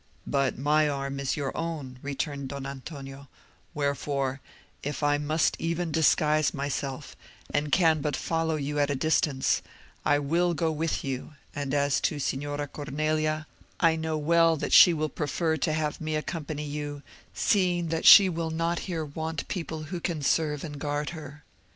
"But my arm is your own," returned Don Antonio, "wherefore, if I must even disguise myself, and can but follow you at a distance, I will go with you; and as to Signora Cornelia, I know well that she will prefer to have me accompany you, seeing that she will not here want people who can serve and guard her."